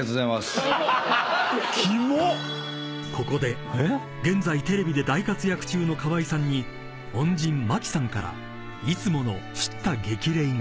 ［ここで現在テレビで大活躍中の河井さんに恩人真紀さんからいつもの叱咤激励が］